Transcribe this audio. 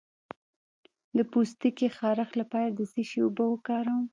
د پوستکي خارښ لپاره د څه شي اوبه وکاروم؟